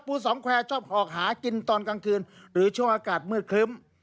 สองแควร์ชอบออกหากินตอนกลางคืนหรือช่วงอากาศมืดครึ้ม